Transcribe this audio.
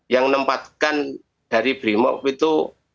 yang nempatkan dari brimov itu